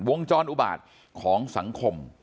วงจรอุบาตของสังคม